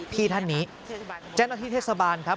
พี่ท่านนี้แจ้งอาทิตย์เทศบาลครับ